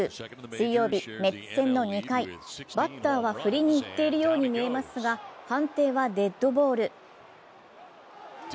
水曜日、メッツ戦の２回、バッターは振りにいっているように見えますが判定はデッドボール。